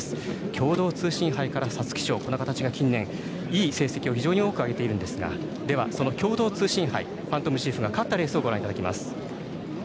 共同通信杯から皐月賞この形が近年、いい成績を非常に多く挙げているんですが共同通信杯ファントムシーフが勝ったレースをご覧いただきます。